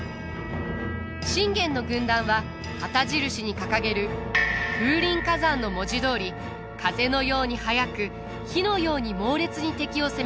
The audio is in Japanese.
信玄の軍団は旗印に掲げる「風林火山」の文字どおり風のように速く火のように猛烈に敵を攻めたてます。